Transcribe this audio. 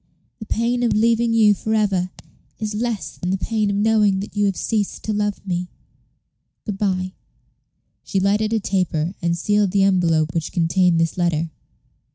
The pain of leaving you for ever is less than the pain of knowing that you had ceased to love me. Good by." She lighted a taper, and sealed the envelope which contained this letter.